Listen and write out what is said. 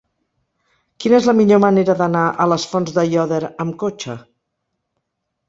Quina és la millor manera d'anar a les Fonts d'Aiòder amb cotxe?